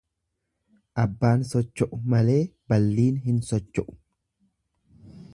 Abbaan socho'u malee balliin hin socho'u.